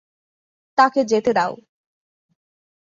তাকে যেতে দাও।